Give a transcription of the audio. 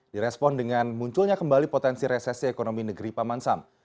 direspon dengan munculnya kembali potensi resesi ekonomi negeri paman sam